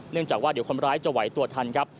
จากว่าเดี๋ยวคนร้ายจะไหวตัวทันครับ